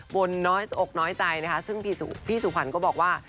บนน้อยอกน้อยใจนะคะซึ่งพี่สุขวัญก็บอกว่า